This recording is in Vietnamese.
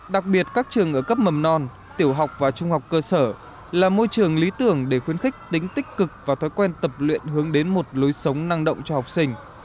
đặc biệt các trường ở cấp mầm non tiểu học và trung học cơ sở là môi trường lý tưởng để khuyến khích tính tích cực và thói quen tập luyện hướng đến một lối sống năng động cho học sinh